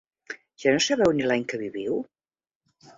Ja no sabeu ni l'any que viviu?